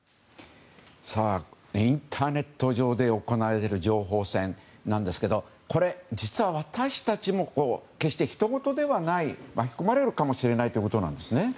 インターネット上で行われる情報戦ですがこれ、実は私たちも決してひとごとではない巻き込まれるかもしれないということなんですね。